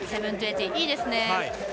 いいですね。